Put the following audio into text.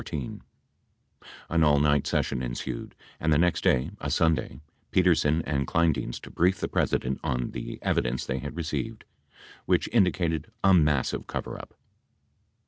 87 An all night session ensued and the next day, a Sunday, Petersen and Kleindienst briefed the President on the evidence they had received, which indi cated a massive coverup.